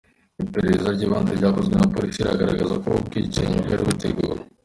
Iperereza ry’ibanze ryakozwe na polisi riragaragaza ko ubu bwicanyi bwari buteguwe.